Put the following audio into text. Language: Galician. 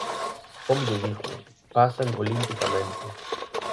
Como lle digo, pasan olimpicamente.